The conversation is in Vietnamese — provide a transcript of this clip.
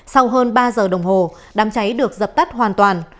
sau hơn ba giờ đồng hồ đám cháy được dập tắt hoàn toàn